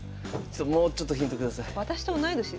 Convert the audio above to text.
もうちょっとヒント下さい。